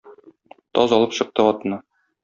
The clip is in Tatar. Таз алып чыкты атны.